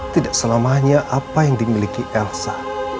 tidak selamanya apa yang dimiliki elsa